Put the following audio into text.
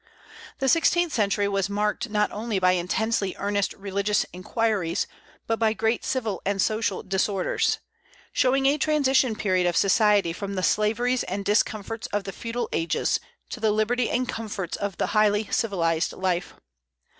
The sixteenth century was marked not only by intensely earnest religious inquiries, but by great civil and social disorders, showing a transition period of society from the slaveries and discomforts of the feudal ages to the liberty and comforts of highly civilized life.